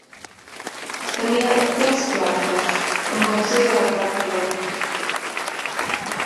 Tenia tres plantes, amb accés a la planta del mig.